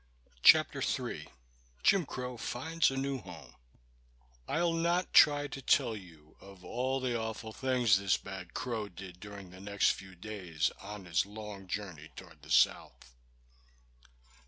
Chapter III Jim Crow Finds a New Home I'LL not try to tell you of all the awful things this bad crow did during the next few days, on his long journey toward the South.